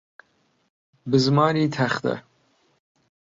بزماری تەختە.